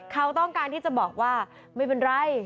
เขาต้องการที่จะบอกว่าไม่เป็นไร